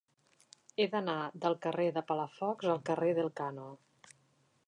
He d'anar del carrer de Palafox al carrer d'Elkano.